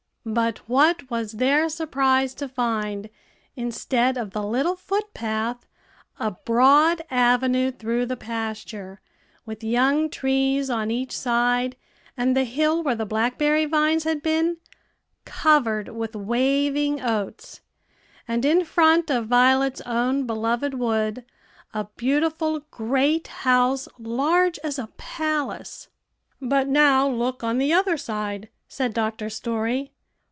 But what was their surprise to find, instead of the little footpath, a broad avenue through the pasture, with young trees on each side, and the hill where the blackberry vines had been, covered with waving oats, and in front of Violet's own beloved wood a beautiful great house large as a palace! "But now look on the other side," said Dr. Story.